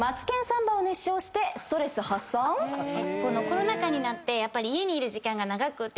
コロナ禍になって家にいる時間が長くて。